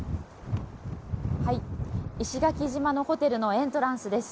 石垣島のホテルのエントランスです。